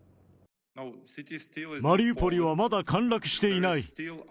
マリウポリはまだ陥落していない。